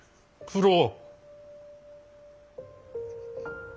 九郎。